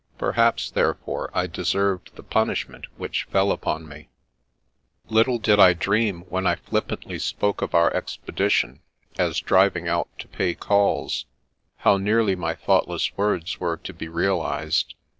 Perhaps, therefore, I deserved the punishment which fell upon me. 150 The Princess Passes Little did I dream, when I flippantly spoke of our expedition as " driving out to pay calls," how nearly my thoughtless words were to be realised.